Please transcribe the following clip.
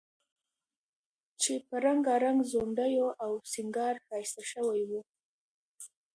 چې په رنګارنګ ځونډیو او سینګار ښایسته شوی و،